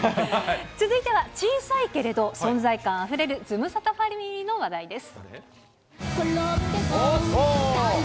続いては、小さいけれど存在感あふれるズムサタファミリーの話題です。